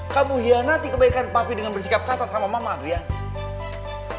kamu hianati kebaikan papi dengan bersikap kata sama mama adrianti